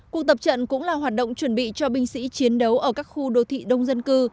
cuộc tập trận cũng là hoạt động chuẩn bị cho binh sĩ chiến đấu ở các khu đô thị đông dân cư